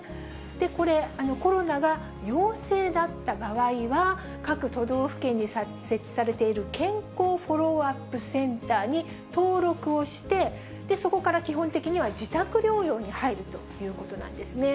これ、コロナが陽性だった場合は、各都道府県に設置されている健康フォローアップセンターに登録をして、そこから基本的には自宅療養に入るということなんですね。